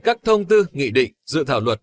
các thông tư nghị định dự thảo luật